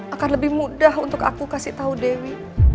akan lebih mudah untuk aku kasih tahu dewi